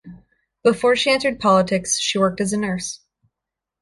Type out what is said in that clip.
Before she entered politics she worked as a nurse.